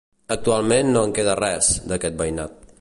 Actualment no en queda res, d'aquest veïnat.